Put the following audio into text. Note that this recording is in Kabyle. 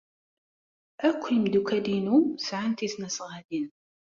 Akk imeddukal-inu sɛan tisnasɣalin.